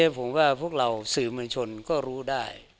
ผมว่าพวกเราสื่อมวลชนก็รู้ได้